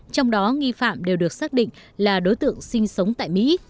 trong đó nghi phạm đều được xác định là đối tượng sinh sống tại mỹ